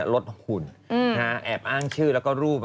ลดหุ่นแอบอ้างชื่อแล้วก็รูป